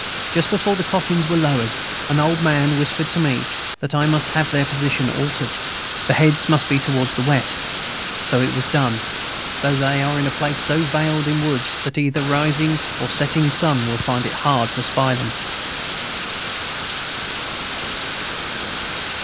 Just before the coffins were lowered, an old man whispered to me that I must have their position altered, the heads must be towards the west; so it was done, though they are in a place so veiled in woods that either rising or setting sun will find it hard to spy them.